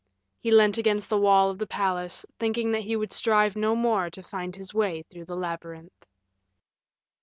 He leant against the wall of the palace, thinking that he would strive no more to find his way through the labyrinth.